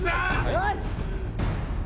よし！